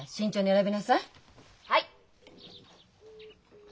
はい。